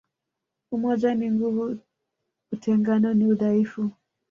Umoja ni nguvu utengano ni udhaifu